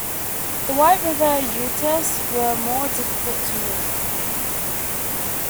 The White River Utes were more difficult to move.